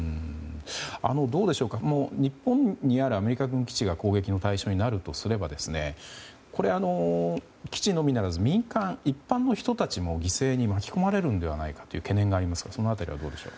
どうでしょうか日本にあるアメリカ軍基地が攻撃の対象になるとすれば基地のみならず民間、一般の人たちも犠牲に巻き込まれるのではないかという懸念がありますがその辺りはどうでしょう。